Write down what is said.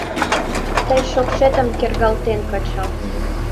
Тый шокшетым кергалтен кычал.